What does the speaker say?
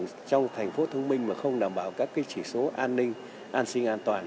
trong thành phố thông minh mà không đảm bảo các chỉ số an ninh an sinh an toàn